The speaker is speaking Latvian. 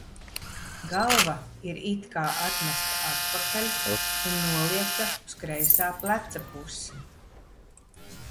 Galva ir it kā atmesta atpakaļ un noliekta uz kreisā pleca pusi.